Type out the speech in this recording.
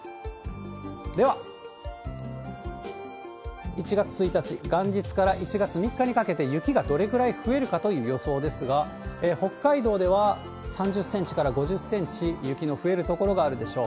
では、１月１日・元日から１月３日にかけて、雪がどれぐらい増えるかという予想ですが、北海道では３０センチから５０センチ、雪の増える所があるでしょう。